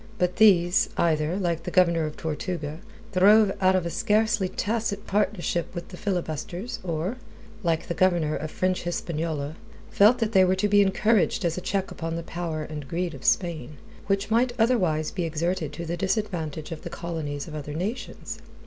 But these, either like the Governor of Tortuga throve out of a scarcely tacit partnership with the filibusters, or like the Governor of French Hispaniola felt that they were to be encouraged as a check upon the power and greed of Spain, which might otherwise be exerted to the disadvantage of the colonies of other nations.